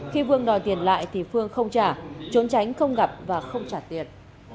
khi vương đòi tiền lại thì phương không trả trốn tránh không gặp và không trả tiền